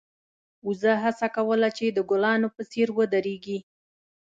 وزه هڅه کوله چې د ګلانو په څېر ودرېږي.